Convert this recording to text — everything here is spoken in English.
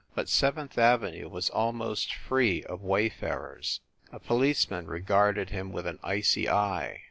But Seventh Avenue was almost free of wayfarers. A policeman re garded him with an icy eye.